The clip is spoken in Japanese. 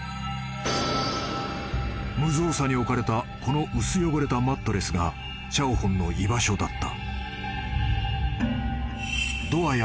［無造作に置かれたこの薄汚れたマットレスがシャオホンの居場所だった］